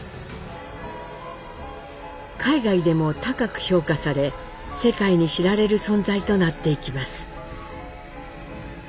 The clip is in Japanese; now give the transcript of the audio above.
海外でも高く評価され世界に知られる存在となっていきます。